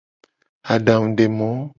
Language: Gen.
Adangudemo.